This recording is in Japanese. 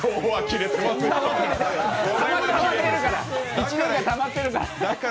１年間たまってるから。